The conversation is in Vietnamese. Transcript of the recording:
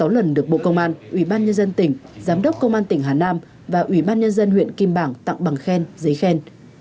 sáu lần được bộ công an ủy ban nhân dân tỉnh giám đốc công an tỉnh hà nam và ủy ban nhân dân huyện kim bảng tặng bằng khen giấy khen